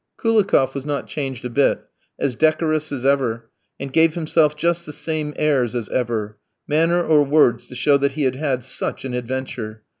Koulikoff was not changed a bit, as decorous as ever, and gave himself just the same airs as ever; manner or words to show that he had had such an adventure.